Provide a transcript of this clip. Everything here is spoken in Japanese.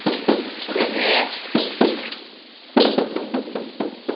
これねぇ。